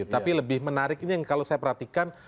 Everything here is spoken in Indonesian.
tapi lebih menarik ini yang kalau saya perhatikan